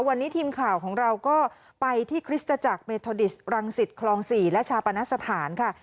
วันนี้ทีมข่าวของเราก็ไปที่คริสตจักรเมทอดิสรังสิตคลอง๔และชาปณสถานค่ะ